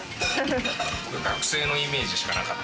学生のイメージしかなかった。